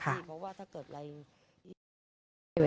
เพราะว่าถ้าเกิดอะไร